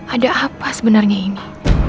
ada apa sebenarnya ini